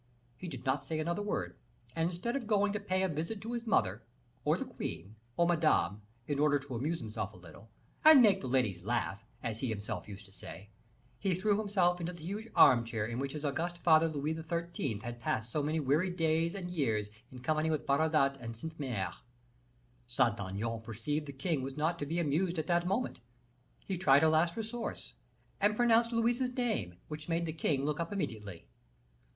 He did not say another word, and instead of going to pay a visit to his mother, or the queen, or Madame, in order to amuse himself a little, and make the ladies laugh, as he himself used to say, he threw himself into the huge armchair in which his august father Louis XIII. had passed so many weary days and years in company with Barradat and Cinq Mars. Saint Aignan perceived the king was not to be amused at that moment; he tried a last resource, and pronounced Louise's name, which made the king look up immediately.